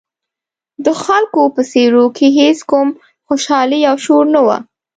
د خلکو په څېرو کې هېڅ کوم خوشحالي او شور نه و.